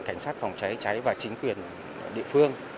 cảnh sát phòng cháy cháy và chính quyền địa phương